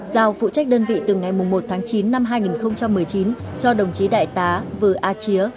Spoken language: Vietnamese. giao phụ trách đơn vị từ ngày một tháng chín năm hai nghìn một mươi chín cho đồng chí đại tá vư a chía